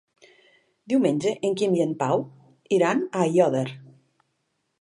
Diumenge en Quim i en Pau iran a Aiòder.